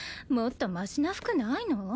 もっとマシな服ないの？